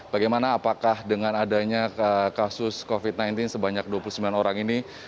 bagaimana apakah dengan adanya kasus covid sembilan belas sebanyak dua puluh sembilan orang ini